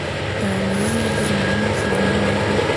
تا ویل زه د لمر سره مینه لرم.